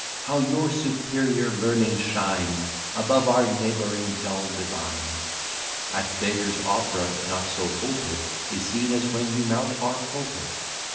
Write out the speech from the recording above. How your superior learning shines Above our neighbouring dull divines! At Beggar's Opera not so full pit Is seen as when you mount our pulpit.